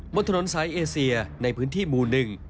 บนถนนสายเอเซียในพื้นที่หมู่หนึ่ง